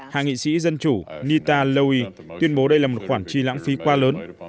hạ nghị sĩ dân chủ nita lowey tuyên bố đây là một khoản tri lãng phí quá lớn